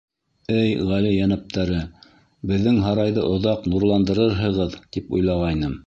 — Эй, ғали йәнәптәре, беҙҙең һарайҙы оҙаҡ нурландырырһығыҙ тип уйлағайным.